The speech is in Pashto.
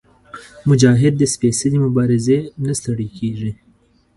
مجاهد د سپېڅلې مبارزې نه ستړی کېږي.